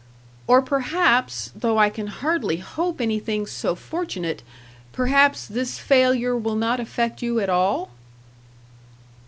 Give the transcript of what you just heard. "Or, perhaps though I can hardly hope anything so fortunate perhaps this failure will not affect you at all?"